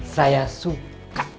saya suka hasil kerja kamu